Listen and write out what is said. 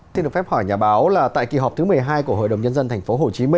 xin được phép hỏi nhà báo là tại kỳ họp thứ một mươi hai của hội đồng nhân dân tp hcm